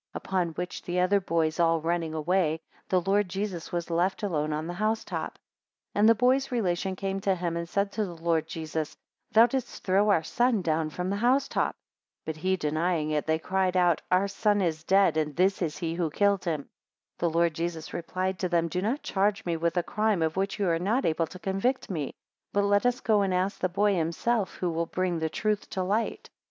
5 Upon which the other boys all running away, the Lord Jesus was left alone on the house top. 6 And the boy's relations came to him and said to the Lord Jesus, Thou didst throw our son down from the house top. 7 But he denying it, they cried out, Our son is dead, and this is he who killed him. 8 The Lord Jesus replied to them, Do not charge me with a crime of which you are not able to convict me, but let us go and ask the boy himself, who will bring the truth to light.